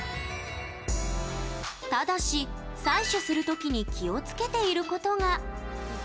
ただし、採取する時に気をつけていることが。